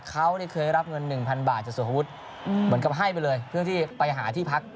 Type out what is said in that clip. เขาเคยรับเงิน๑๐๐บาทจากสุภวุฒิเหมือนกับให้ไปเลยเพื่อที่ไปหาที่พัก